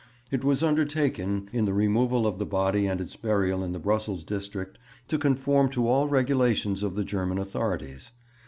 It was undertaken, in the removal of the body and its burial in the Brussels district, to conform to all the regulations of the German authorities.